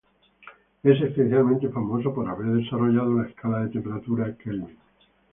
Es especialmente famoso por haber desarrollado la escala de temperatura Kelvin.